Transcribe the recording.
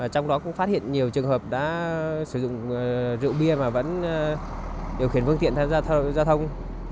trong đó cũng phát hiện nhiều trường hợp đã sử dụng rượu bia và vẫn điều khiển phương tiện tham gia giao thông